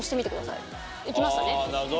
いきましたね。